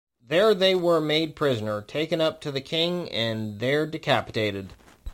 There they were made prisoner, taken up to the king and there decapitated.